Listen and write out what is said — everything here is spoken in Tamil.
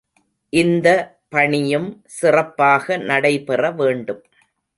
இந்த பணியும் சிறப்பாக நடைபெற வேண்டும்.